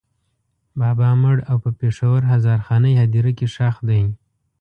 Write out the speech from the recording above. بابا مړ او په پېښور هزارخانۍ هدېره کې ښخ دی.